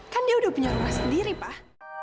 kan dia udah punya rumah sendiri pak